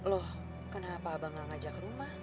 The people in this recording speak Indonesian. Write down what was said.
loh kenapa abang gak ngajak ke rumah